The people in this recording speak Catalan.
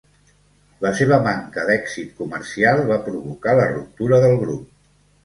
La seva manca d'èxit comercial va provocar la ruptura del grup.